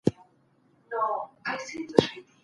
د بې وزلو سره مالي مرسته وکړئ.